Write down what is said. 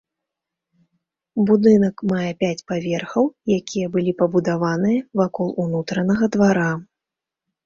Будынак мае пяць паверхаў, якія былі пабудаваныя вакол унутранага двара.